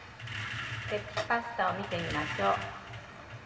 パスタを見てみましょう。